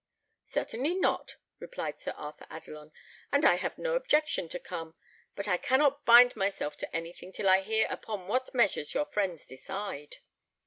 "Certainly not," replied Sir Arthur Adelon; "and I have no objection to come; but I cannot bind myself to anything till I hear upon what measures your friends decide."